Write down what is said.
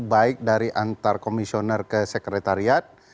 baik dari antar komisioner ke sekretariat